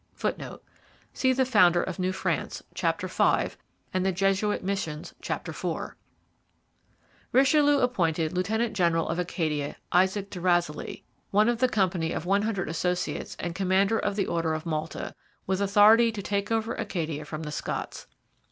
[Footnote: See The founder of New France, chap. v, and The Jesuit Missions, chap. iv.] Richelieu appointed lieutenant general of Acadia Isaac de Razilly, one of the Company of One Hundred Associates and commander of the Order of Malta, with authority to take over Acadia from the Scots.